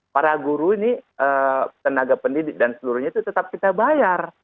para guru ini tenaga pendidik dan seluruhnya itu tetap kita bayar